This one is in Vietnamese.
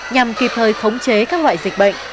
nhằm kịp thời khống chế các loại dịch bệnh